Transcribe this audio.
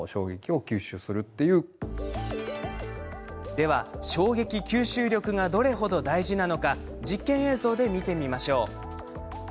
では衝撃吸収力がどれ程、大事なのか実験映像で見てみましょう。